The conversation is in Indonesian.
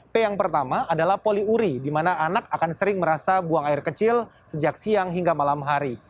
p yang pertama adalah poliuri di mana anak akan sering merasa buang air kecil sejak siang hingga malam hari